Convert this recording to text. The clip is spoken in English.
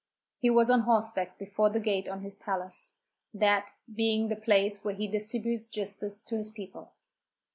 He was on horseback before the gate of his palace, that being the place where he distributes justice to his people.